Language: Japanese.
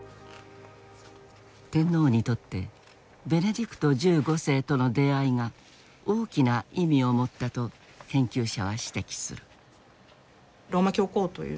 天皇にとってベネディクト１５世との出会いが大きな意味を持ったと研究者は指摘する。